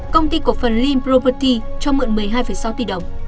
công ty cổ phần lin property cho mượn một mươi hai sáu tỷ đồng